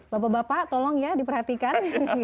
bapak bapak tolong ya diperhatikan